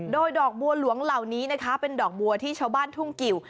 โดยดอกบัวหลวงเหล่านี้นะคะเป็นดอกบัวที่ชาวบ้านทุ่งกิว